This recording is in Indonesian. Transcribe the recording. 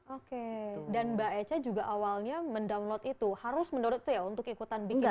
oke dan mbak echa juga awalnya mendownload itu harus mendownload itu ya untuk ikutan bikini padegat